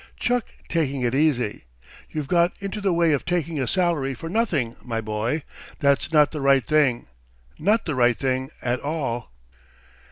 Chuck taking it easy. You've got into the way of taking a salary for nothing, my boy that's not the right thing ... not the right thing at all.